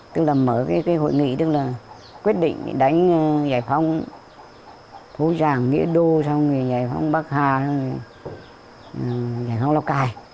tức là mở cái hội nghị tức là quyết định đánh giải phóng thú giảng nghĩa đô giải phóng bắc hà giải phóng lào cát